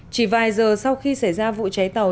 chỉ vài giờ sau khi xảy ra vụ cháy tàu